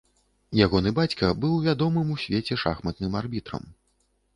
Ягоны бацька быў вядомым у свеце шахматным арбітрам.